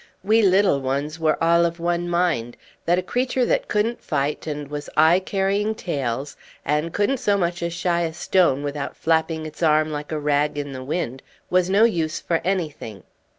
We little ones were all of one mind: that a creature that couldn't fight and was aye carrying tales, and couldn't so much as shy a stone without flapping its arm like a rag in the wind, was no use for anything.